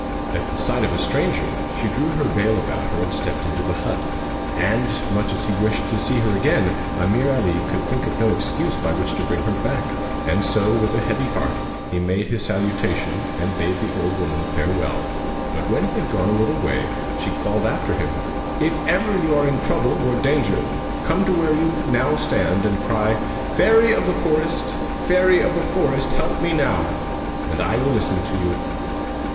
At the sight of a stranger she drew her veil about her and stepped into the hut, and much as he wished to see her again Ameer Ali could think of no excuse by which to bring her back, and so, with a heavy heart, he made his salutation, and bade the old woman farewell. But when he had gone a little way she called after him: 'If ever you are in trouble or danger, come to where you now stand and cry: "Fairy of the Forest! Fairy of the forest, help me now!" And I will listen to you.'